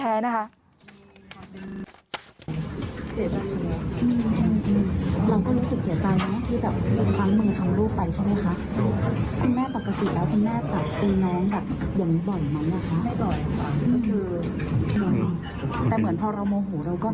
แต่ว่าคือตัวเราเองมากกว่าที่เราไม่มีเหตุผล